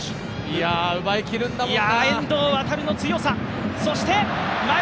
いや、奪いきるんだもんな